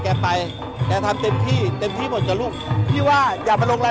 แบบไปเนี้ยทำเต็มที่เพิ่งที่หมดสำหรับลูกที่ว่าอย่ามาลงราย